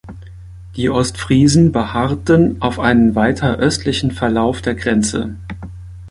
Die Ostfriesen beharrten auf einen weiter östlichen Verlauf der Grenze.